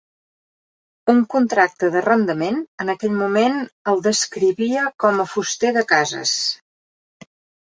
Un contracte d'arrendament en aquell moment el descrivia com a fuster de cases.